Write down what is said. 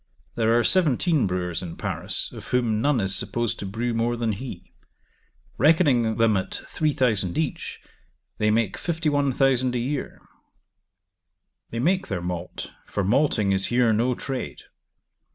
There are seventeen brewers in Paris, of whom none is supposed to brew more than he: reckoning them at 3,000 each, they make 51,000 a year. They make their malt, for malting is here no trade.